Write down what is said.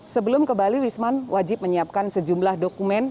sebelum ke bali wisman wajib menyiapkan sejumlah dokumen